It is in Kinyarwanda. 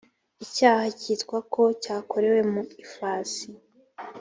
icyaha cyitwa ko cyakorewe mu ifasi